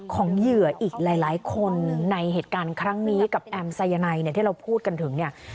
เหยื่ออีกหลายคนในเหตุการณ์ครั้งนี้กับแอมไซยาไนเนี่ยที่เราพูดกันถึงเนี่ย